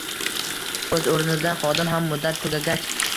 O‘z o‘rnida, xodim ham muddat tugagach